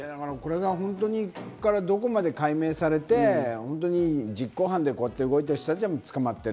ここからどこまで解明されて実行犯で動いている人たちは捕まってる。